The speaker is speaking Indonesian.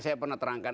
saya pernah terangkan